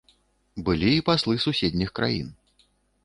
Былі і паслы суседніх краін.